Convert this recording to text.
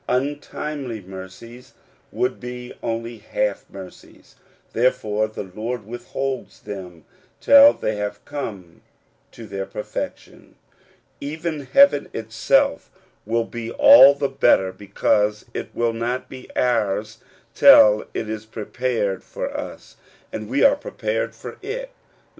Untimely mercies would be only half mercies ; therefore the Lord withholds them till they have come to their perfection. Even Ii8 According to the Promise. heaven itself will be all the better because it will not be ours till it is prepared for us, and we are prepared for it.